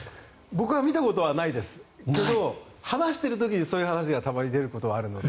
僕は見たことはないですけど話している時にそういう話がたまに出る時はあるので。